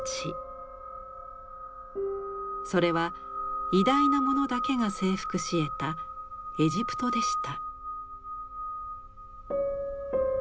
それは偉大な者だけが征服しえたエジプトでした。